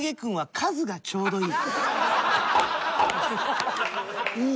数がちょうどいい。